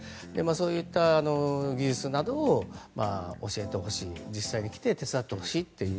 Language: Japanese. そういった技術などを教えてほしい実際に来て手伝ってほしいと。